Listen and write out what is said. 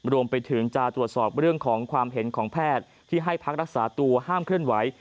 รวมไปถึงจะตรวจสอบเรื่องของความเห็นของแพทย์ที่ให้พักรักษาตัวห้ามเคลื่อนไหว